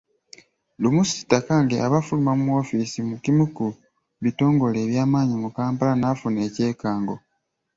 Lumu Sitakange aba afuluma mu woofiisi mu kimu ku bitongole eby’amaanyi mu Kampala n'afuna ekyekango.